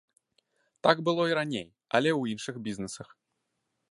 Так было і раней, але ў іншых бізнесах.